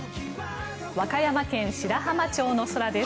和歌山県白浜町の空です。